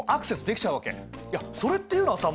いやそれっていうのはさ